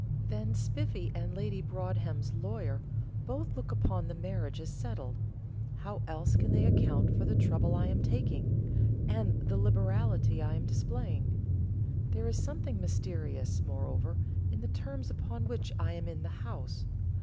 Then Spiffy and Lady Broadhem's lawyer both look upon the marriage as settled: how else can they account for the trouble I am taking, and the liberality I am displaying? There is something mysterious, moreover, in the terms upon which I am in the house.